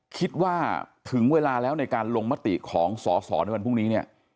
คิดว่าถึงเวลาแล้วในการลงมติของสอสอในวันพรุ่งนี้เนี่ย